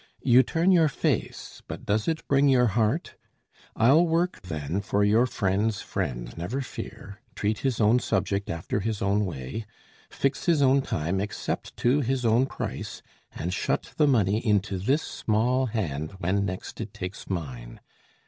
You turn your face, but does it bring your heart? I'll work then for your friend's friend, never fear, Treat his own subject after his own way? Fix his own time, accept too his own price, And shut the money into this small hand When next it takes mine.